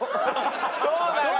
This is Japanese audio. そうだよ。